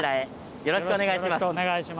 よろしくお願いします。